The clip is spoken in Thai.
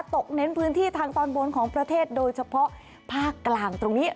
เน้นพื้นที่ทางตอนบนของประเทศโดยเฉพาะภาคกลางตรงนี้